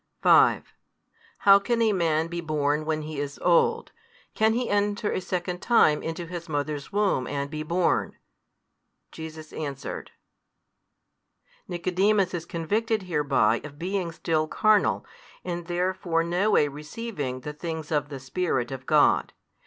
5 How can a man be born when he is old? can he enter a second time into his mother's womb, and be born? Jesus answered, Nicodemus is convicted hereby of being still carnal, and therefore no way receiving the things of the Spirit of God.